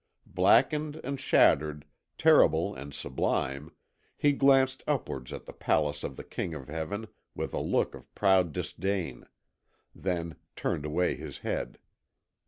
Blackened and shattered, terrible and sublime, he glanced upwards at the palace of the King of Heaven with a look of proud disdain, then turned away his head.